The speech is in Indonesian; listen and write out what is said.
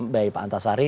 dari pak antasari